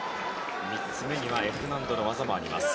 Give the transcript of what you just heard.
３つ目にはＦ難度の技もあります。